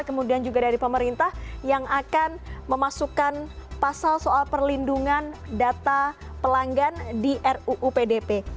kemudian juga dari pemerintah yang akan memasukkan pasal soal perlindungan data pelanggan di ruu pdp